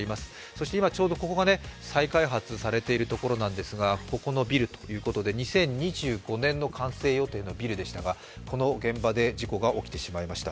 そして今ちょうどここが再開発されているところなんですがここのビルということで、２０２５年の完成予定のビルでしたがこの現場で事故が起きてしまいました。